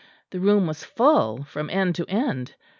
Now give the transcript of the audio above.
The room was full from end to end.